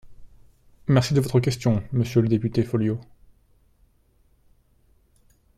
Merci de votre question, monsieur le député Folliot.